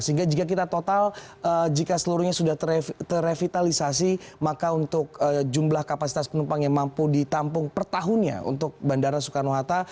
sehingga jika kita total jika seluruhnya sudah terrevitalisasi maka untuk jumlah kapasitas penumpang yang mampu ditampung per tahunnya untuk bandara soekarno hatta